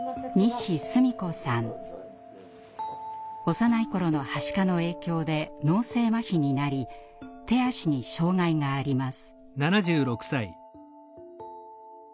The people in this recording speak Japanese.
幼い頃のはしかの影響で脳性まひになり手足に障害があります。